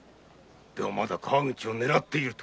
ではまだ川口を狙っていると？